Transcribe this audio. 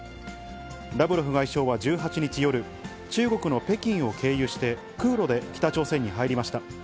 ラブロフ外相は１８日夜、中国の北京を経由して、空路で北朝鮮に入りました。